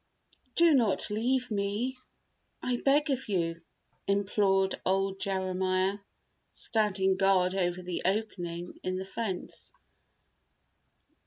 "Do not leave me, I beg of you," implored old Jeremiah, standing guard over the opening in the fence.